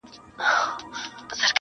• له ښوونکي له ملا مي اورېدله -